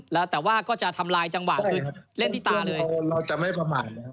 แล้วแต่ว่าก็จะทำลายจังหวะคือเล่นที่ตาเลยเราจะไม่ประมาท